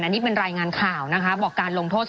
ไม่ได้เป็นประธานคณะกรุงตรี